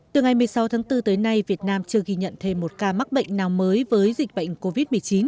từ ngày một mươi sáu tháng bốn tới nay việt nam chưa ghi nhận thêm một ca mắc bệnh nào mới với dịch bệnh covid một mươi chín